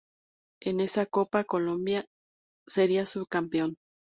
En esa Copa, Colombia sería subcampeón.